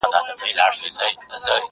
هم لوېدلی یې له پامه د خپلوانو.